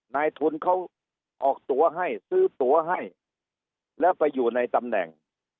นายทุนเขาออกตัวให้ซื้อตัวให้แล้วไปอยู่ในตำแหน่ง